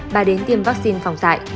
bà đến tiêm vaccine phòng dạy